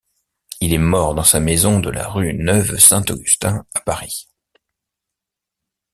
Il est mort dans sa maison de la rue Neuve-Saint-Augustin, à Paris.